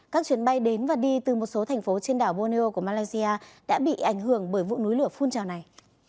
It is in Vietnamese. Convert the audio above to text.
các chuyến bay đến và đi từ một số thành phố trên đảo borneo của malaysia đã bị ảnh hưởng bởi vụ núi lửa phun trào này